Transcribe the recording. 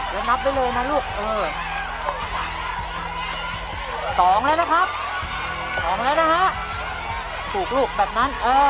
แล้วนับด้วยเลยนะลูก๒แล้วนะครับ๒แล้วนะฮะถูกลูกแบบนั้นเออ